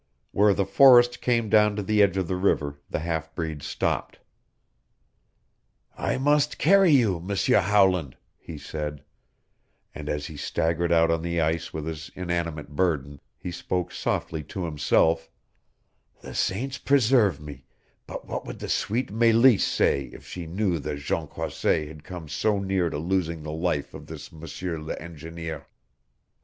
Where the forest came down to the edge of the river the half breed stopped. "I must carry you, M'seur Howland," he said; and as he staggered out on the ice with his inanimate burden, he spoke softly to himself, "The saints preserve me, but what would the sweet Meleese say if she knew that Jean Croisset had come so near to losing the life of this M'seur le engineer?